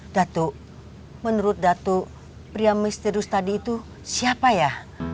datuk menurut datuk pria misterius tadi itu siapa ya